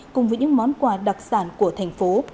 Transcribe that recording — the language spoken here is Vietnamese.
cùng với những món quà đặc sản của thành phố